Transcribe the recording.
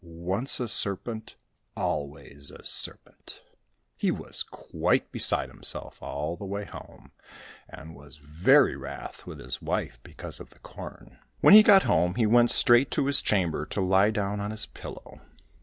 Once a serpent, always a serpent !" He was quite beside himself all the way home, and was very wrath with his wife because of the corn. When he got home he went straight to his chamber to lie down on his pillow.